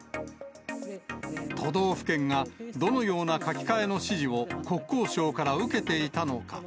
都道府県がどのような書き換えの指示を、国交省から受けていたのか。